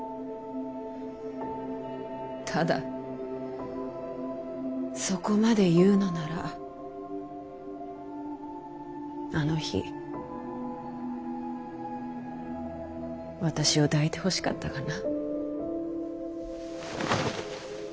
ただそこまで言うのならあの日私を抱いてほしかったがな。